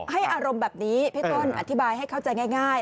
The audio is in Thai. อารมณ์แบบนี้พี่ต้นอธิบายให้เข้าใจง่าย